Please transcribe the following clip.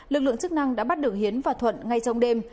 lực lượng chức năng đã bắt được hiến và thuận ngay trong đêm